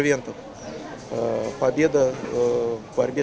kết thúc của hội đề